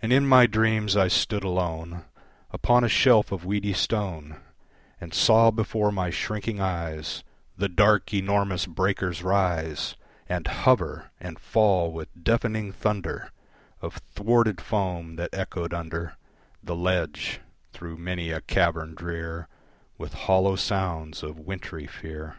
And in my dreams I stood alone Upon a shelf of weedy stone, And saw before my shrinking eyes The dark, enormous breakers rise, And hover and fall with deafening thunder Of thwarted foam that echoed under The ledge, through many a cavern drear, With hollow sounds of wintry fear.